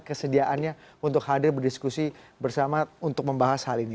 kesediaannya untuk hadir berdiskusi bersama untuk membahas hal ini